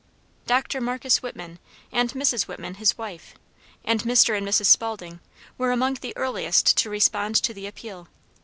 Dr. Marcus Whitman, and Mrs. Whitman, his wife, and Mr. and Mrs. Spaulding, were among the earliest to respond to the appeal.